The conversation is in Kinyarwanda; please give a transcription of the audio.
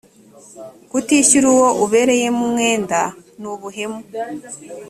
kutishyura uwo ubereyemo umwenda ni ubuhemu